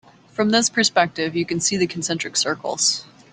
From this perspective you can see the concentric circles.